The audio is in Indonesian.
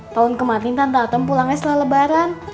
tahun kemarin tante atem pulangnya setelah lebaran